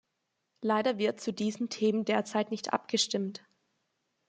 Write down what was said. Leider wird zu diesen Themen derzeit nicht abgestimmt.